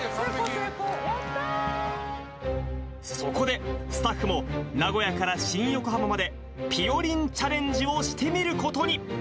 そこで、スタッフも名古屋から新横浜まで、ぴよりんチャレンジをしてみることに。